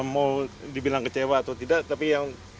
mau dibilang kecewa atau tidak tapi yang